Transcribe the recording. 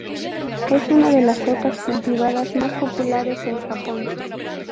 Es una de las setas cultivadas más populares en Japón.